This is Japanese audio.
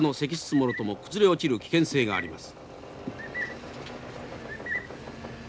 もろとも崩れ落ちる危険性があります。